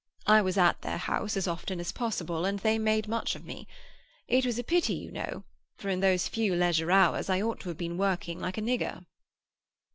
I was at their house as often as possible, and they made much of me. It was a pity, you know, for in those few leisure hours I ought to have been working like a nigger."